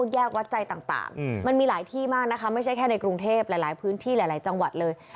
แยกวัดใจต่างมันมีมากไม่ใช่ค่าในกรุงเทพฯหลายพื้นที่หลายจังหวัดเลย